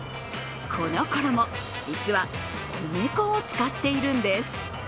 この衣、実は米粉を使っているんです。